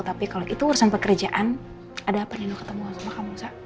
tapi kalau itu urusan pekerjaan ada apa nino ketemuan sama kamu sa